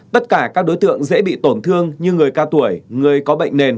tất cả các đối tượng dễ bị tổn thương như người cao tuổi người có bệnh nền